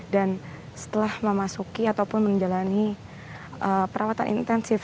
dan setelah memasuki ataupun menjalani perawatan intensif